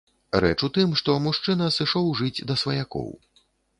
Рэч у тым, што мужчына сышоў жыць да сваякоў.